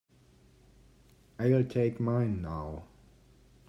I'll take mine now.